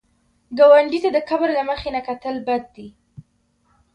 ګاونډي ته د کبر له مخې نه کتل بد دي